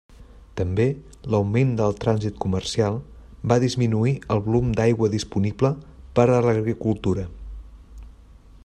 També, l'augment del trànsit comercial va disminuir el volum d'aigua disponible per a l'agricultura.